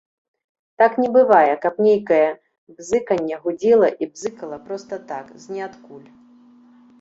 Так не бывае, каб нейкае бзыканне гудзела і бзыкала проста так, з ніадкуль.